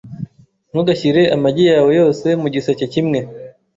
Ntugashyire amagi yawe yose mugiseke kimwe.